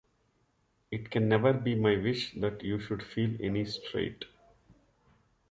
It can never be my wish that you should feel any strait.